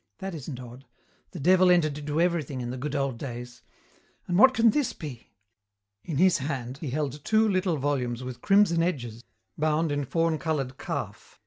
That isn't odd. The Devil entered into everything in the good old days. And what can this be?" In his hand he held two little volumes with crimson edges, bound in fawn coloured calf.